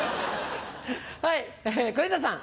はい小遊三さん。